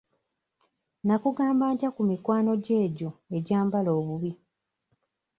Nakugamba ntya ku mikwano gyo egyo egyambala obubi?